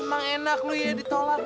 emang enak loh ya ditolak